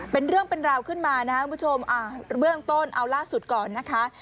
เป็นเรื่องเป็นราวขึ้นมานะครับคุณผู้ชมเบื้องต้นเอาล่าสุดก่อนนะคะ